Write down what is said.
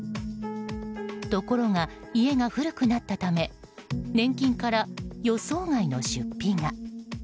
ところが家が古くなったため年金から予想外の出費が。